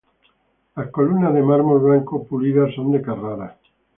Las columnas de mármol blanco pulidas son de Carrara.